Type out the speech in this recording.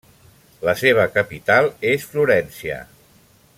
La seva capital és Florència.